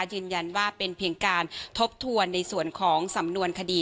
ยืนยันว่าเป็นเพียงการทบทวนในส่วนของสำนวนคดี